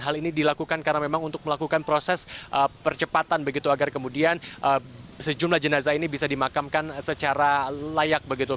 hal ini dilakukan karena memang untuk melakukan proses percepatan begitu agar kemudian sejumlah jenazah ini bisa dimakamkan secara layak begitu